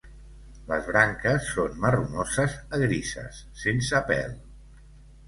Les branques són marronoses a grises, sense pèl.